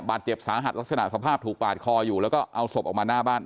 บาดเจ็บสาหัสลักษณะสภาพถูกปาดคออยู่แล้วก็เอาศพออกมาหน้าบ้าน